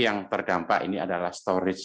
yang terdampak ini adalah storage